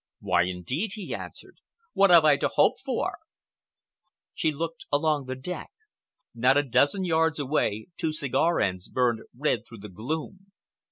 "Why, indeed?" he answered. "What have I to hope for?" She looked along the deck. Not a dozen yards away, two cigar ends burned red through the gloom.